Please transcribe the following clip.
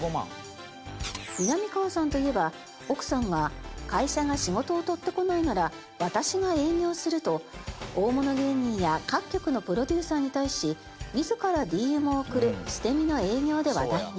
みなみかわさんといえば奥さんが「会社が仕事を取ってこないなら私が営業する」と大物芸人や各局のプロデューサーに対し自らＤＭを送る捨て身の営業で話題に。